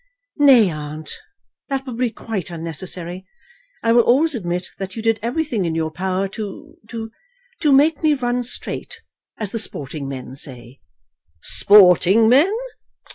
"Nay, aunt, that will be quite unnecessary. I will always admit that you did everything in your power to to to make me run straight, as the sporting men say." "Sporting men!